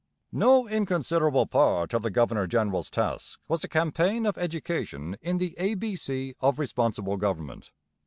No inconsiderable part of the governor general's task was a campaign of education in the ABC of responsible government.